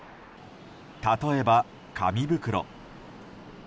例えば、紙袋。